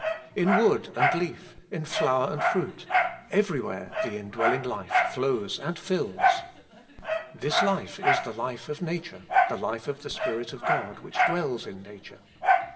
in wood and leaf, in flower and fruit, everywhere the indwelling life flows and tills. This life is the life of nature, the life of the Spirit of God which dwells in nature.